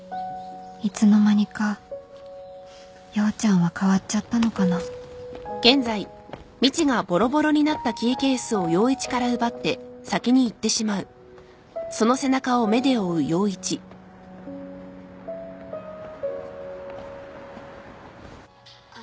いつの間にか陽ちゃんは変わっちゃったのかなあ。